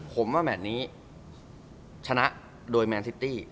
ผมว่าแมนแน่ชนะโดยแมนเซตตี้